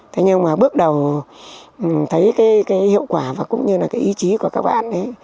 thế nhưng mà bước đầu thấy cái hiệu quả và cũng như là cái ý chí của các anh ấy